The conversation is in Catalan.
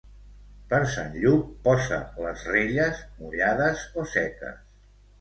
Per Sant Lluc, posa les relles, mullades o seques.